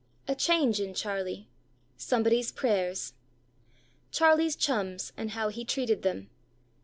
A change in Charlie. Somebody's prayers. Charlie's chums, and how he treated them.